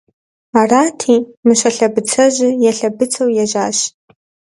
Арати, Мыщэ лъэбыцэжьыр елъэбыцыуэу ежьащ.